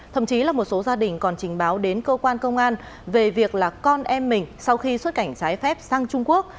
thậm chí là một số gia đình còn trình báo đến cơ quan công an về việc là con em mình sau khi xuất cảnh trái phép sang trung quốc